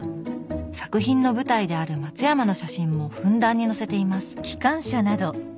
作品の舞台である松山の写真もふんだんに載せています。